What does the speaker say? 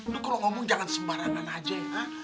lu kalau ngomong jangan sembarangan aja ya